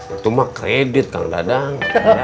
itu mah kredit kang dadang